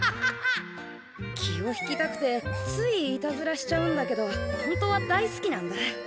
気を引きたくてついイタズラしちゃうんだけど本当は大好きなんだ。